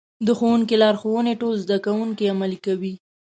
د ښوونکي لارښوونې ټول زده کوونکي عملي کوي.